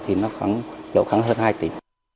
thì nó khoảng lỗ khoảng hơn hai tỷ